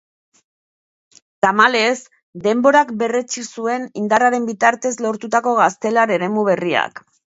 Tamalez, denborak berretsi zuen indarraren bitartez lortutako gaztelar eremu berriak.